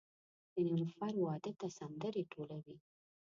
د نیلوفر واده ته سندرې ټولوي